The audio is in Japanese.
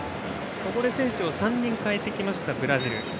ここで選手を３人代えてきたブラジル。